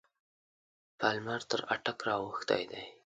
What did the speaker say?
پالمر تر اټک را اوښتی دی.